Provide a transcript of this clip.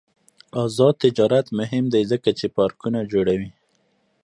آزاد تجارت مهم دی ځکه چې پارکونه جوړوي.